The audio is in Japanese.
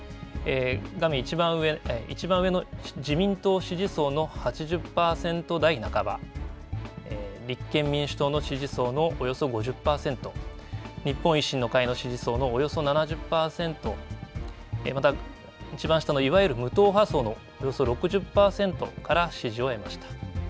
画面いちばん上の自民党支持層の８０％台半ば、立憲民主党の支持層のおよそ５０％、日本維新の会の支持層のおよそ７０％、またいちばん下のいわゆる無党派層のおよそ６０％から支持を得ました。